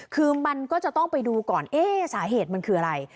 คือมันก็จะต้องไปดูก่อนเอ๊ะสาเหตุมันคืออะไร